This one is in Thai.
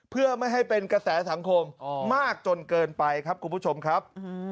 เพื่อไม่ให้เป็นกระแสสังคมมากจนเกินไปครับคุณผู้ชมครับ